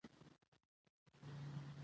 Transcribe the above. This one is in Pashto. افغانستان په بزګان باندې تکیه لري.